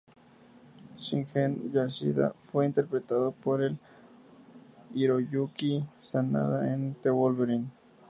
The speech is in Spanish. Shingen Yashida fue interpretado por Hiroyuki Sanada en "The Wolverine".